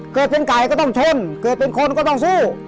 เกิดเป็นไก่ก็ต้องชนเกิดเป็นคนก็ต้องสู้